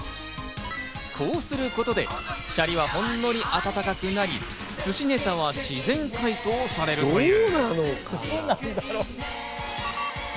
こうすることでシャリはほんのり暖かくなり、寿司ネタは自然解凍されるという。